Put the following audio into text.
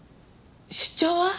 出張は？